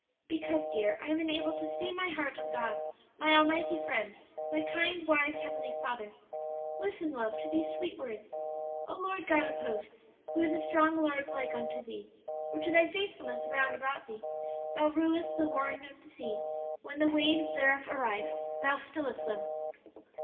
"Because, dear, I am enabled to stay my heart on God, my Almighty Friend, my kind, wise, Heavenly Father. Listen, love, to these sweet words: 'O Lord God of hosts, who is a strong Lord like unto Thee? or to thy faithfulness round about Thee? Thou rulest the roaring of the sea: when the waves thereof arise, Thou stillest them.'"